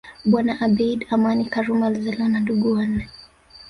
Bwana Abeid Amani Karume alizaliwa na ndugu wanne